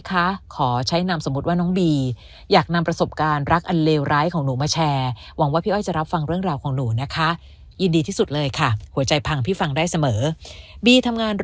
คะขอใช้นำสมมุติว่าน้องบีอยากนำประสบการณ์รักอัน